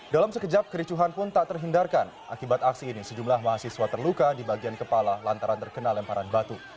dalam sekejap kericuhan pun tak terhindarkan akibat aksi ini sejumlah mahasiswa terluka di bagian kepala lantaran terkena lemparan batu